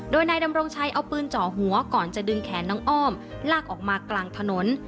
โดยนายดำรงชัยเอาปืนเจาะหัวก่อนจะดึงแขนน้องอ้อมลากออกมากลางถนน